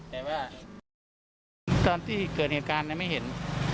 แต่ว่าตอนที่เกิดเหตุการณ์ไม่เห็น